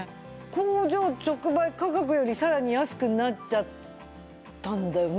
工場直売価格よりさらに安くなっちゃったんだよね？